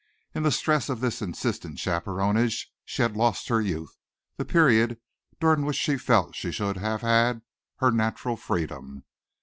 In the stress of this insistent chaperonage she had lost her youth the period during which she felt she should have had her natural freedom.